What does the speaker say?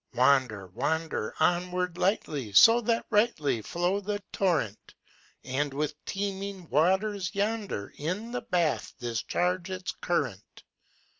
Wander, wander Onward lightly, So that rightly Flow the torrent, And with teeming waters yonder In the bath discharge its current!